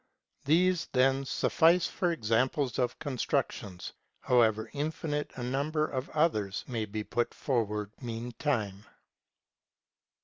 These, then, suffice for examples of constructions, however infinite a num ber of others may be put forward meantime.